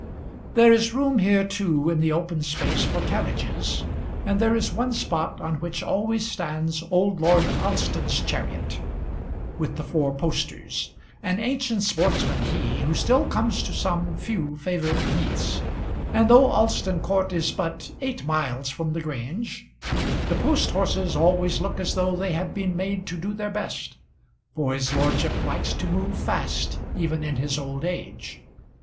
There is room here too in the open space for carriages, and there is one spot on which always stands old Lord Alston's chariot with the four posters; an ancient sportsman he, who still comes to some few favourite meets; and though Alston Court is but eight miles from the Grange, the post horses always look as though they had been made to do their best, for his lordship likes to move fast even in his old age.